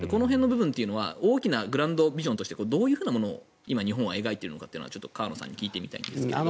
この辺は大きなグラウンドビジョンとしてどういうふうなものを今、日本が描いているのかというのを聞いてみたいです。